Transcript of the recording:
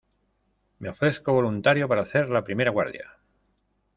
me ofrezco voluntario para hacer la primera guardia.